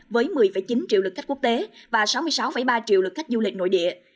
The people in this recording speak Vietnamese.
với một mươi chín triệu lực khách quốc tế và sáu mươi sáu ba triệu lực khách du lịch nội địa